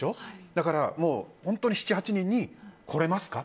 だから本当に７８人に来れますか？